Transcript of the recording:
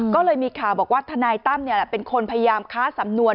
ก็เลยมีข่าวบอกว่าทนายตั้มเป็นคนพยายามค้าสำนวน